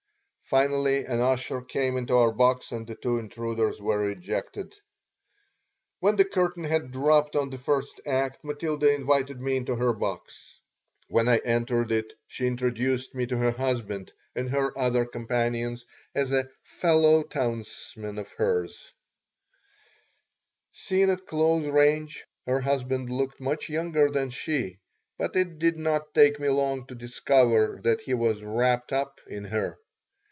Finally an usher came into our box and the two intruders were ejected When the curtain had dropped on the first act Matilda invited me into her box. When I entered it she introduced me to her husband and her other companions as "a fellow townsman" of hers Seen at close range, her husband looked much younger than she, but it did not take me long to discover that he was wrapped up in her.